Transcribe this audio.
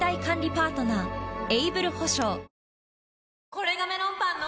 これがメロンパンの！